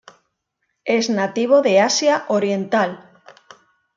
Es nativo de Asia Oriental.